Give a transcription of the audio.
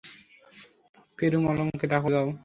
পেরুমলকে ডাকো যাও।